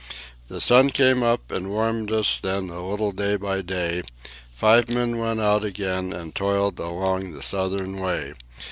The sun came up and warmed us then a little day by day; Five men went out again and toiled along the southern way.